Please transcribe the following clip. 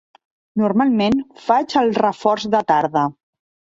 Normalment, faig el reforç de tarda.